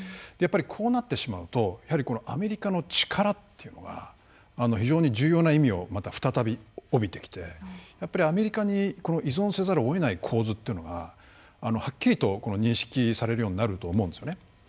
やっぱりこうなってしまうとこのアメリカの力というのが非常に重要な意味をまた再び帯びてきてアメリカに依存せざるをえない構図というのがはっきりと認識されるようになると思うんですよね。